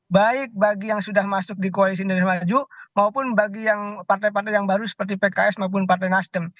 baik bagi yang sudah masuk di koalisi indonesia maju maupun bagi yang partai partai yang baru seperti pks maupun partai nasdem